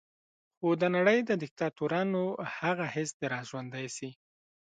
خو د نړۍ د دیکتاتورانو هغه حس دې را ژوندی شي.